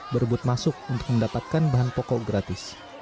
berebut masuk untuk mendapatkan bahan pokok gratis